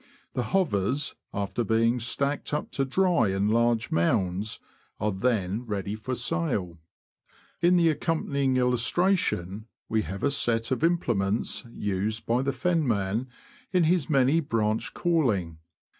The hovers, after being stacked up to dry in large mounds, are then ready for sale. In the accompanying illustration we have a set of implements used by the fenman in his many branched calling.